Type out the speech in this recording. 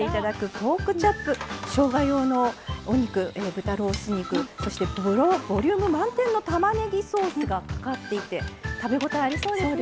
しょうが用のお肉豚ロース肉そしてボリューム満点のたまねぎソースがかかっていて食べ応えありそうですね。